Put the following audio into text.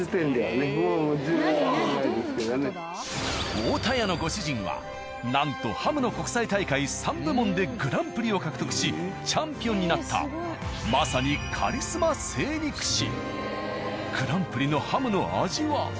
「太田屋」のご主人はなんとハムの国際大会３部門でグランプリを獲得しチャンピオンになったまさにグランプリのハムの味は？